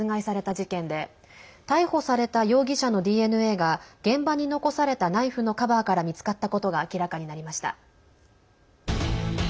事件で逮捕された容疑者のＤＮＡが現場に残されたナイフのカバーから見つかったことが明らかになりました。